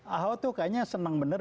ahok tuh kayaknya senang bener